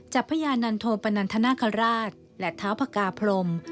จากพระยานันโธปนันธนาคาราชและท้าวพระกาพลม